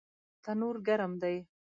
تنور ګرم دی